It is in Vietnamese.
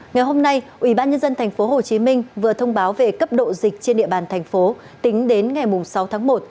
ngày hôm nay ubnd tp hcm vừa thông báo về cấp độ dịch trên địa bàn thành phố tính đến ngày sáu tháng một